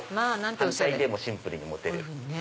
反対でもシンプルに持てる。